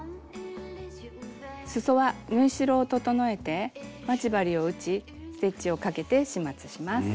すそは縫い代を整えて待ち針を打ちステッチをかけて始末します。